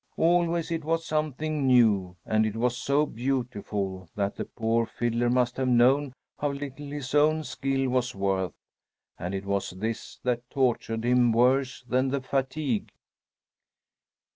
Always it was something new, and it was so beautiful that the poor fiddler must have known how little his own skill was worth. And it was this that tortured him worse than the fatigue.